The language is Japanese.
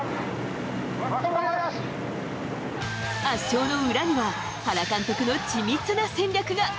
圧勝の裏には原監督の緻密な戦略が。